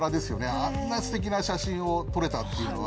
あんなステキな写真を撮れたっていうのは。